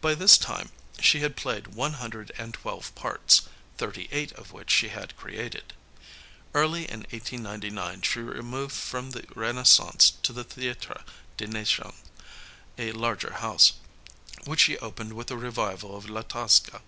By this time she had played one hundred and twelve parts, thirty eight of which she had created. Early in 1899 she removed from the Renaissance to the Théâtre des Nations, a larger house, which she opened with a revival of La Tosca.